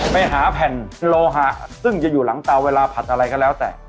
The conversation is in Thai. ไปหาแผ่นโลหะซึ่งจะอยู่หลังเตาเวลาผัดอะไรก็แล้วแต่